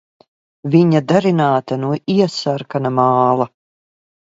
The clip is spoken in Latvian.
Viņa darināta no iesarkana māla.